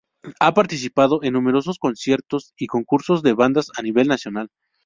Ha participado en numerosos conciertos y concursos de bandas a nivel nacional.